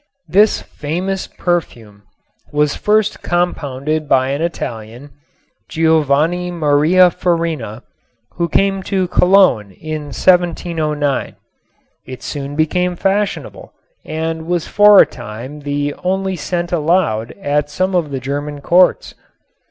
This famous perfume was first compounded by an Italian, Giovanni Maria Farina, who came to Cologne in 1709. It soon became fashionable and was for a time the only scent allowed at some of the German courts.